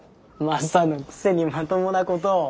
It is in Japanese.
マサのくせにまともなことを。